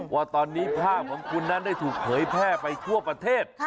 ว่าตอนนี้ภาพของคุณนั้นได้ถูกเผยแพร่ไปทั่วประเทศ